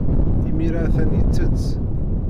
Imir-a, atan yettett.